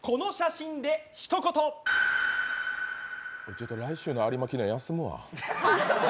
ちょっと来週の有馬記念、休むわ。